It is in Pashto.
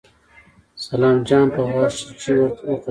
سلام جان په غاښچيچي ور وکتل.